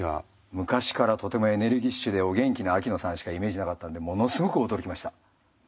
昔からとてもエネルギッシュでお元気な秋野さんしかイメージなかったのでものすごく驚きました。